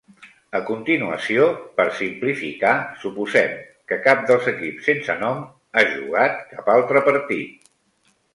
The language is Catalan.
A continuació, per simplificar, suposem que cap dels equips sense nom ha jugat cap altre partit.